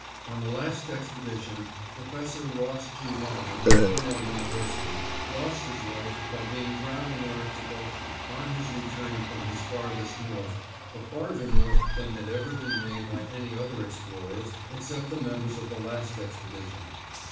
On the last expedition, Professor Ross G. Marvin, of Cornell University, lost his life by being drowned in the Arctic Ocean, on his return from his farthest north, a farther north than had ever been made by any other explorers except the members of the last expedition.